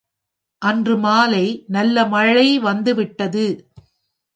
அன்று மாலை நல்ல மழை வந்துவிட்டது.